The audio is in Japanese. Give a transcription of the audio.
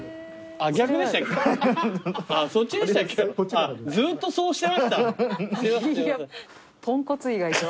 あっずーっとそうしてました。